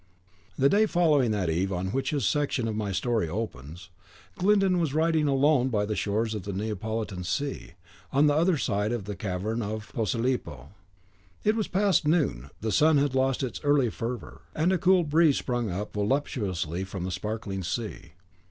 The day following that eve on which this section of my story opens, Glyndon was riding alone by the shores of the Neapolitan sea, on the other side of the Cavern of Posilipo. It was past noon; the sun had lost its early fervour, and a cool breeze sprung up voluptuously from the sparkling sea.